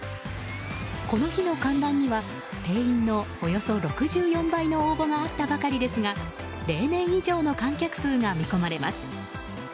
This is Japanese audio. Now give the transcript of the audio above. この日の観覧には定員のおよそ６４倍の応募があったばかりですが例年以上の観客数が見込まれます。